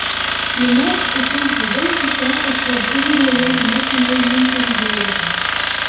Le match oppose le Benfica au club uruguayen du National Montevideo.